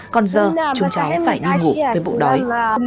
còn giờ chúng cháu phải đi ngủ với bụi đói